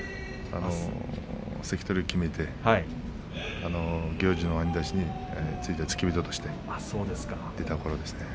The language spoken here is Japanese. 関取を決めて行司の兄弟子について付け人としていたところですね。